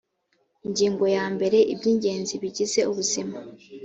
ingingo ya mbere iby ingenzi bigize ubuzima